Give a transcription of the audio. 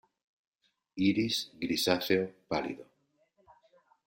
Iris grisáceo pálido.